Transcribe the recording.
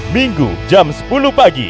minggu jam sepuluh pagi